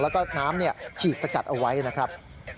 แล้วก็น้ำฉีดสกัดเอาไว้นะครับ